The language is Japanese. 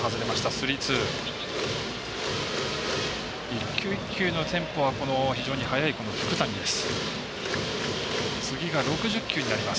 一球一球のテンポは非常に速いこの福谷です。